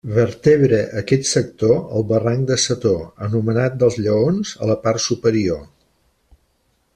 Vertebra aquest sector el barranc de Setó, anomenat dels Lleons a la part superior.